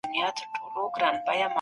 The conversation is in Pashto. هویت لرو.